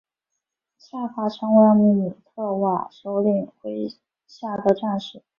夏卡成为姆特瓦首领麾下的战士。